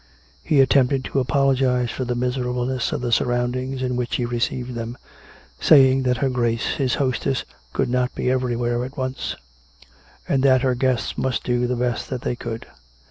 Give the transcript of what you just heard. He attempted to apologise for the miserableness of the surroundings in which he received them — saying that her Grace his hostess could not be everywhere at once; and that her guests must do the best that they could.